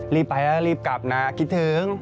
รีบไปแล้วรีบกลับนะคิดถึง